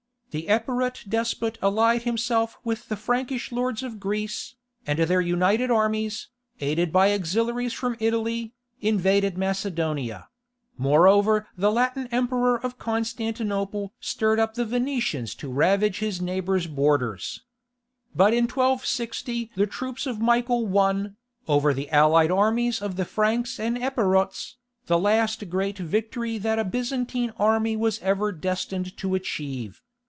The Epirot despot allied himself with the Frankish lords of Greece, and their united armies, aided by auxiliaries from Italy, invaded Macedonia; moreover the Latin emperor of Constantinople stirred up the Venetians to ravage his neighbours' borders. But in 1260 the troops of Michael won, over the allied armies of the Franks and Epirots, the last great victory that a Byzantine army was ever destined to achieve.